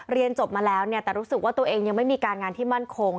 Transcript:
เรียนจบมาแล้วเนี่ยแต่รู้สึกว่าตัวเองยังไม่มีการงานที่มั่นคง